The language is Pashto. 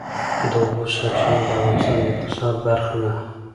د اوبو سرچینې د افغانستان د اقتصاد برخه ده.